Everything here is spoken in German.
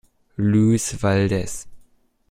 Luis Valdez.